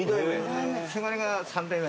せがれが３代目。